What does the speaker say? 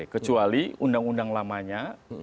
kecuali undang undang lamanya